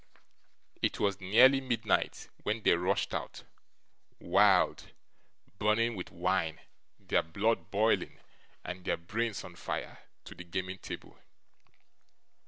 It was nearly midnight when they rushed out, wild, burning with wine, their blood boiling, and their brains on fire, to the gaming table.